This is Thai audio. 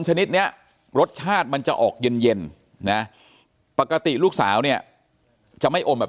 ชนิดเนี้ยรสชาติมันจะออกเย็นนะปกติลูกสาวเนี่ยจะไม่อมแบบ